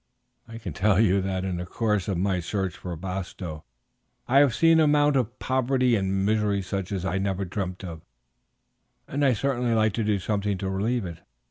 I can tell you that in the course of my search for Bastow I have seen an amount of poverty and misery such as I never dreamt of, and I certainly should like to do something to relieve it.